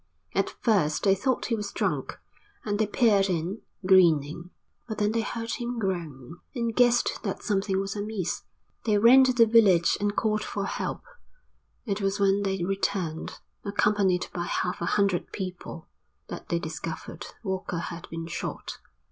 At first they thought he was drunk and they peered in, grinning, but then they heard him groan, and guessed that something was amiss. They ran to the village and called for help. It was when they returned, accompanied by half a hundred people, that they discovered Walker had been shot.